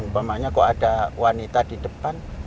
kalau ada wanita di depan